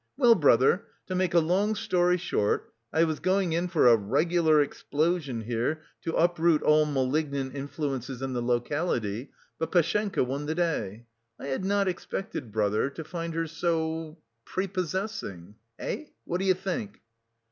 Well, brother, to make a long story short, I was going in for a regular explosion here to uproot all malignant influences in the locality, but Pashenka won the day. I had not expected, brother, to find her so... prepossessing. Eh, what do you think?"